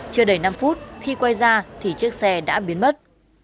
chưa đầy năm phút khi quay ra thì chiếc xe đã biến mất